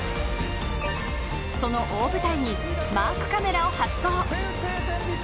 その大舞台にマークカメラを発動。